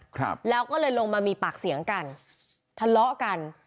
ครับแล้วก็เลยลงมามีปากเสียงกันทะเลาะกัน